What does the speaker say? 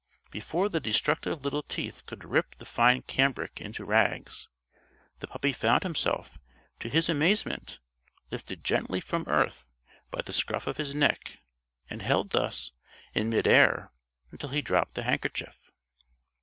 Before the destructive little teeth could rip the fine cambric into rags, the puppy found himself, to his amazement, lifted gently from earth by the scruff of his neck and held thus, in midair, until he dropped the handkerchief.